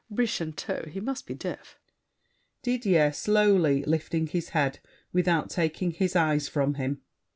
] Brichanteau, he must be deaf. DIDIER (slowly lifting his head, without taking his eyes from him).